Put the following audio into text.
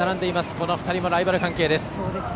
この２人もライバル関係です。